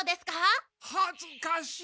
はずかしい。